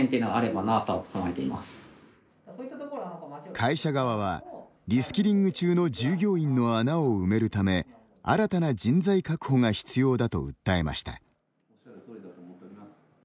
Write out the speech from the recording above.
会社側は、リスキリング中の従業員の穴を埋めるため新たな人材確保が必要だと訴えました。